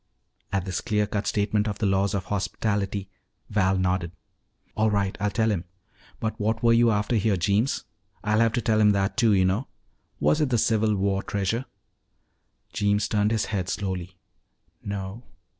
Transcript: At this clean cut statement of the laws of hospitality, Val nodded. "All right. I'll tell him. But what were you after here, Jeems? I'll have to tell him that, too, you know. Was it the Civil War treasure?" Jeems turned his head slowly. "No."